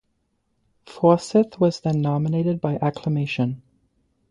Forsyth was then nominated by acclamation.